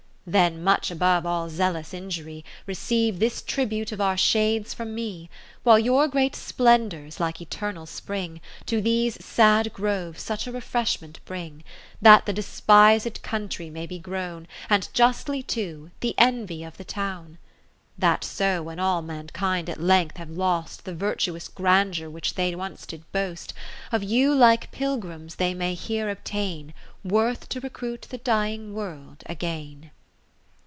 20 in Then much above all zealous injury. Receive this tribute of our shades from me, While your great splendours, like eternal spring, To these sad groves such a refresh ment bring. That the despised country may be grown, And justly too, the envy of the town. That so when all mankind at length have lost The Virtuous Grandeur which they once did boast. Of you like pilgrims they may here obtain Worth to recruit the dying world again.